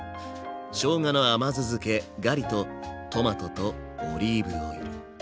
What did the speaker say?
しょうがの甘酢漬けガリとトマトとオリーブオイル。